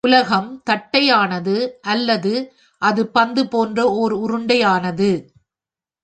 உலகம் தட்டையானது அல்ல அது பந்து போன்ற ஓர் உருண்டையானது.